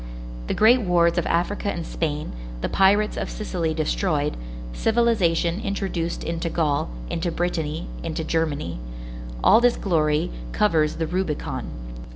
The great wars of Africa and Spain, the pirates of Sicily destroyed, civilization introduced into Gaul, into Britanny, into Germany,—all this glory covers the Rubicon.